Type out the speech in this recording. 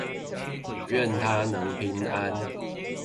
願他能平安